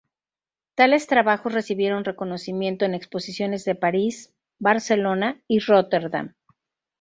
Tales trabajos recibieron reconocimiento en exposiciones de París, Barcelona, y Róterdam.